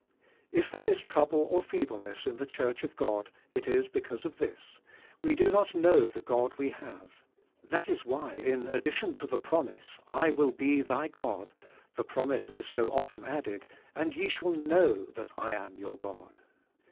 If there is trouble or feebleness in the Church of God, it is because of this. We do not know the God we have. That is why in addition to the promise, "I will be thy God," the promise is so often added, *'And ye shall know that I am your God."